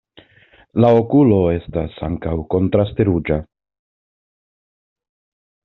La okulo estas ankaŭ kontraste ruĝa.